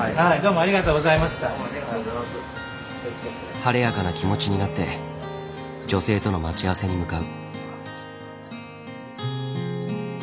晴れやかな気持ちになって女性との待ち合わせに向かう。